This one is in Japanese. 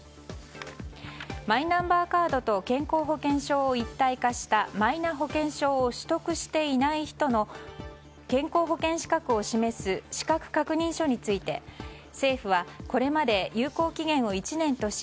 マイナンバーカードと健康保険証を一体化したマイナ保険証を取得していない人の健康保険資格を示す資格確認書について政府はこれまで有効期限を１年とし